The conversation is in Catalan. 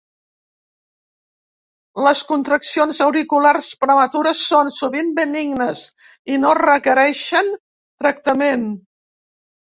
Les contraccions auriculars prematures són sovint benignes i no requereixen tractament.